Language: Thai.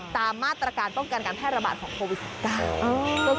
ตามมาตรการป้องกันการแพทย์ระบาดของโควิสัตว์กลาง